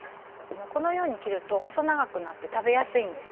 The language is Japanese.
このように切ると細長くなって食べやすいんです。